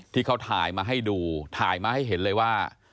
ที่เขาถ่ายมาให้ดูถ่ายมาให้เห็นเลยว่า